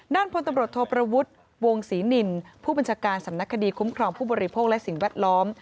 พลตำรวจโทประวุฒิวงศรีนินผู้บัญชาการสำนักคดีคุ้มครองผู้บริโภคและสิ่งแวดล้อม